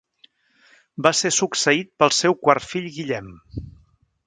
Va ser succeït pel seu quart fill Guillem.